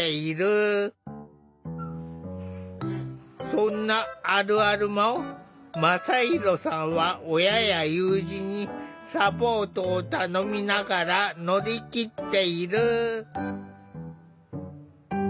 そんなあるあるも真大さんは親や友人にサポートを頼みながら乗り切っている。